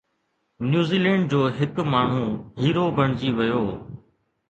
New Zealand جو هڪ ماڻهو هيرو بڻجي ويو